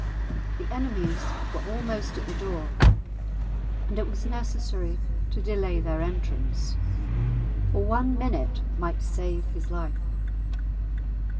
The enemies were almost at the door, and it was necessary to delay their entrance, for one minute might save his life.